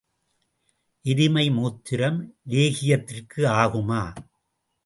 எருமை மூத்திரம் லேகியத்திற்கு ஆகுமா?